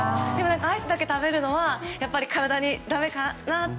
アイスだけ食べるのは体にだめかなって。